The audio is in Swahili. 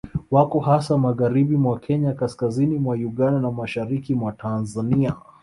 Wako hasa magharibi mwa Kenya kaskazini mwa Uganda na mashariki mwa Tanzania